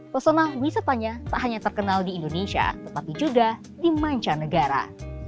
personal wisatanya tak hanya terkenal di indonesia tetapi juga di manca negara